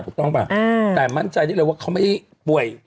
ถูกต้องป่ะแต่มั่นใจได้เลยว่าเขาไม่ได้ป่วย